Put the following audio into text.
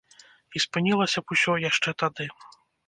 І спынілася б усё яшчэ тады.